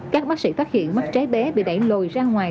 các bác sĩ phát hiện mắt trái bé bị để lồi ra ngoài